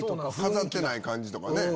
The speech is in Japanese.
飾ってない感じとかね。